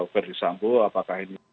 verdi sampo apakah ini